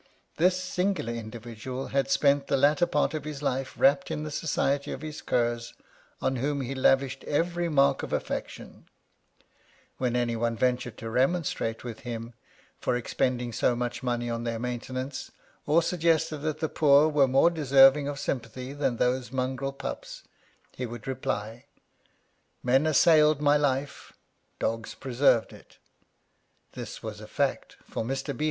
This singular individual had spent the latter part of his life wrapped in the society of his curs, on whom he lavished every mark of affection, 46 Strange Wills When any one ventured to remonstrate with him for expending so much money on their maintenance, or suggested that the poor were more deserving of sympathy than those mongrel pups, he would reply :" Men assailed my life : dogs preserved it." This was a fact, for Mr. B.